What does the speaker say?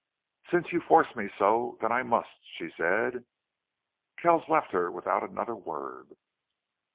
"Since you force me so then I must," she said. Kells left her without another word.